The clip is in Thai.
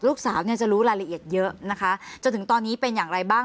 ลูกสาวเนี่ยจะรู้รายละเอียดเยอะนะคะจนถึงตอนนี้เป็นอย่างไรบ้าง